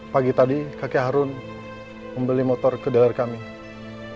pagi tadi kakek harun membeli motor ke dealer kami